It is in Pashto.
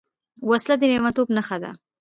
وسله د لېونتوب نښه ده